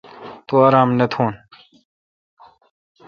تو آرام نہ تھون۔